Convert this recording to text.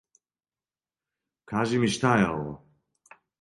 Кажи ми шта је ово.